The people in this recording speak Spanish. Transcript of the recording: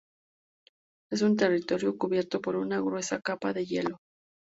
Es un territorio cubierto por una gruesa capa de hielo.